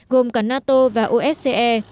gồm cả nato và osce